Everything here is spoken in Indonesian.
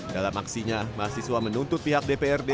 dalam aksinya mahasiswa menuntut pihak dprd